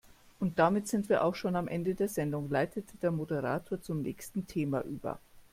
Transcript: Und damit sind wir auch schon am Ende der Sendung, leitete der Moderator zum nächsten Thema über.